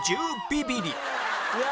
うわ！